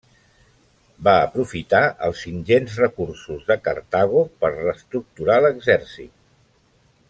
Va aprofitar els ingents recursos de Cartago per reestructurar l'exèrcit.